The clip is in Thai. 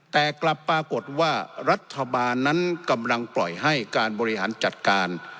แต่กลับปรากฏว่ารัฐบาลนั้นกำลังปล่อยให้การบริหารจัดการ